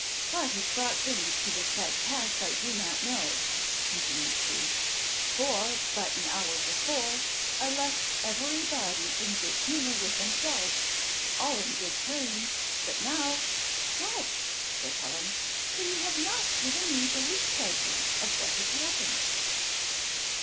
"What has brought things to this sad pass, I know not," continued she, "for, but an hour before, I left every body in good humour with themselves all in good train. But now " "What?" said Helen, "for you have not given me the least idea of what has happened."